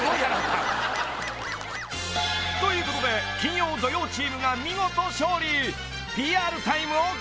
［ということで金曜・土曜チームが見事勝利］